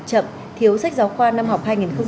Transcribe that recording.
chậm thiếu sách giáo khoa năm học